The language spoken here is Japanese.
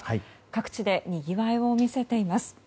各地でにぎわいを見せています。